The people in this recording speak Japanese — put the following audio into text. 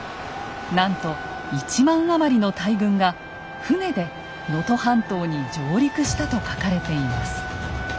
なんと一万余りの大軍が船で能登半島に上陸したと書かれています。